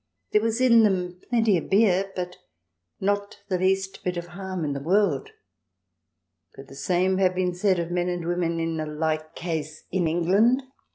There was in them plenty of beer, but not the least bit of harm in the world. Could the same have been said of men and women in a like case in England ?